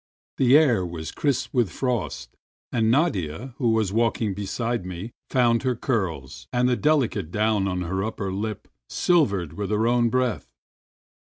The ah* was •^ crisp with frost, and Nadia, who was walking be side me, found her curls and the deHcate down on her upper lip silvered with her own breath.